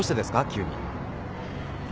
急に。